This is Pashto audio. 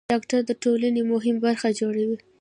ډاکټران د ټولنې مهمه برخه جوړوي.